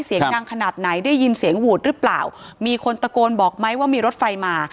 เสียงดังขนาดไหนได้ยินเสียงหวูดหรือเปล่ามีคนตะโกนบอกไหมว่ามีรถไฟมา